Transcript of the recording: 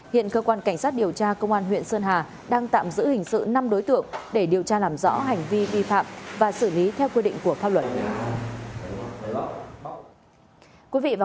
hiện cơ quan cảnh sát điều tra công an huyện sơn hà đang tạm giữ hình sự năm đối tượng để điều tra làm rõ hành vi vi phạm và xử lý theo quy định của pháp luật